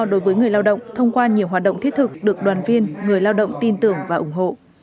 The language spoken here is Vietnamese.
đối với người lao động thông qua nhiều hoạt động thiết thực được đoàn viên người lao động tin tưởng và ủng hộ